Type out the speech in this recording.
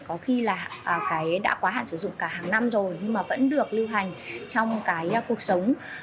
có khi là cái đã quá hạn sử dụng cả hàng năm rồi nhưng mà vẫn được lưu hành trong cái cuộc sống